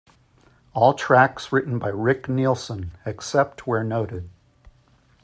All tracks written by Rick Nielsen, except where noted.